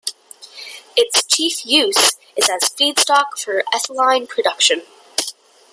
Its chief use is as feedstock for ethylene production.